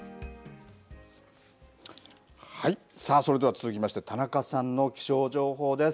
はい、それでは続きまして田中さんの気象情報です。